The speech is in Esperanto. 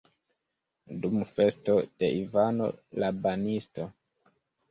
Dum festo de Ivano la Banisto!